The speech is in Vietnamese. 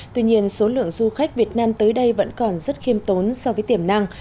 tuy nhiên số lượng du khách việt nam tới đây vẫn còn rất khiêm tốn so với tiềm năng